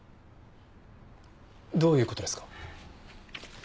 どういう事ですか？